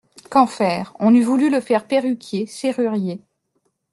Qu'en faire ? On eût voulu le faire perruquier, serrurier.